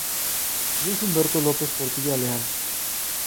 Luis Humberto López Portillo Leal.